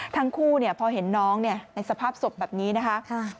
ทั้งคู่พอเห็นน้องในสภาพศพแบบนี้นะคะ